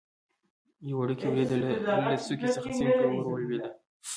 یو وړکی وری د لره له څوکې څخه سیند ته ور ولوېده.